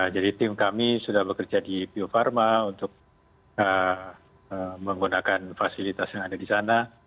jadi tim kami sudah bekerja di biofarma untuk menggunakan fasilitas yang ada di sana